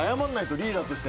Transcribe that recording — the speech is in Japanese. リーダーとして。